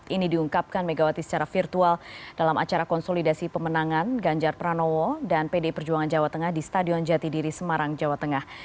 ini diungkapkan megawati secara virtual dalam acara konsolidasi pemenangan ganjar pranowo dan pd perjuangan jawa tengah di stadion jatidiri semarang jawa tengah